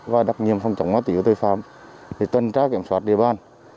và đặc nhiệm phòng chống hóa tiếu tội phạm để tuân tra kiểm soát địa bàn